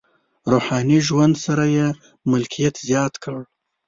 روحاني ژوند سره یې ملکیت زیات کړ.